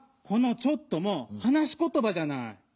この「ちょっと」もはなしことばじゃない！